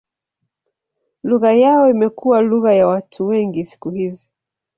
Lugha yao imekuwa lugha ya watu wengi siku hizi.